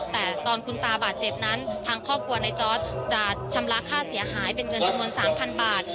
แต่ตอนคุณตาบาดเจ็บนั้นทางครอบครัวในจอร์ดจะชำระค่าเสียหายเป็นเงินจำนวน๓๐๐บาท